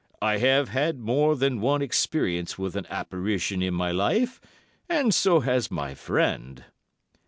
'I have had more than one experience with an apparition in my life, and so has my friend.